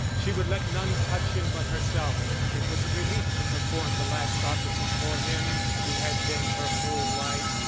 She would let none touch him but herself; it was a relief to perform the last offices for him who had been her whole life.